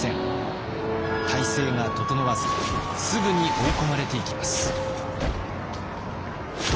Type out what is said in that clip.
態勢が整わずすぐに追い込まれていきます。